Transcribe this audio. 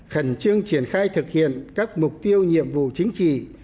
khẩn trương triển khai thực hiện các mục tiêu nhiệm vụ chính trị